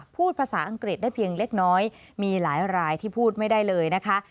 พูดภาษาอังกฤษได้เพียงเล็กน้อยมีหลายรายที่พูดไม่ได้เลยนะคะ